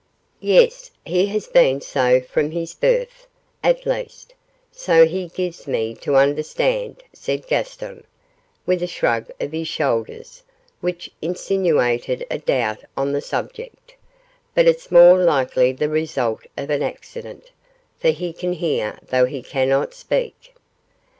'Yes, he has been so from his birth, at least, so he gives me to understand,' said Gaston, with a shrug of his shoulders, which insinuated a doubt on the subject; 'but it's more likely the result of an accident, for he can hear though he cannot speak.